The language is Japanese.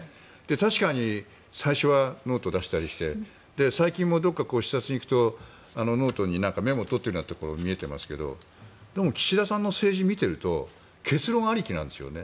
確かに最初はノートを出したりして最近もどこかに視察に行くとノートにメモを取るようなところが見えていますがどうも岸田さんの政治を見ていると結論ありきなんですね。